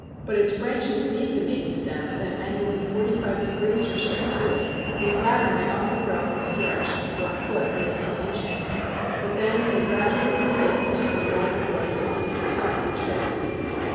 But its branches leave the main stem at an angle of forty five degrees or so to it; these latter may often grow in this direction for a foot or eighteen inches, but then they gradually begin to turn more and more distinctly up the tree.